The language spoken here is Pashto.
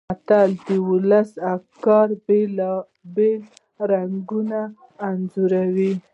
متل د ولسي افکارو بېلابېل رنګونه انځوروي